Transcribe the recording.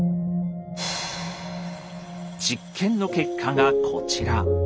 実験の結果がこちら。